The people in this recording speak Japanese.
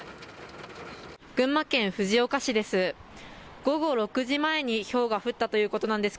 群馬県藤岡市です。